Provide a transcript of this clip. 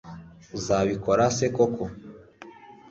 uzabikora se koko